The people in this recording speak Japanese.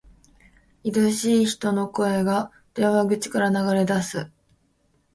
愛しい人の声が、電話口から流れ出す。